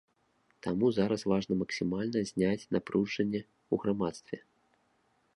Таму зараз важна максімальна зняць напружанне ў грамадстве.